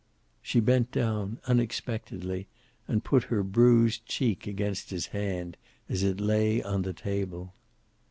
She bent down, unexpectedly, and put her bruised cheek against his hand, as it lay on the table.